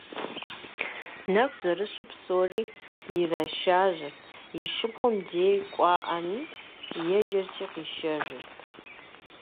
Нэху зэрыщу псори иришажьэрт, и шыпхъум дей кӀуэӀами, еджэрти къишэжырт.